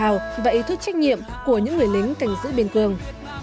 tự hào và ý thức trách nhiệm của những người lính thành giữ biên cường